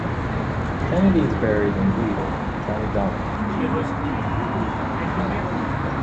Kennedy is buried in Gweedore, County Donegal.